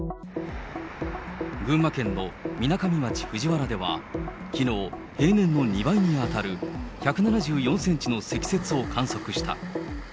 群馬県のみなかみ町藤原では、きのう、平年の２倍に当たる１７４センチの積雪を観測した。